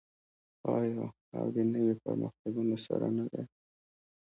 آیا او د نویو پرمختګونو سره نه دی؟